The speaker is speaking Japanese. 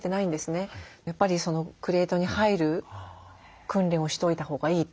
やっぱりクレートに入る訓練をしといたほうがいいって。